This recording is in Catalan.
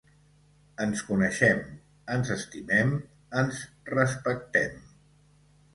Ens coneixem, ens estimem, ens respectem.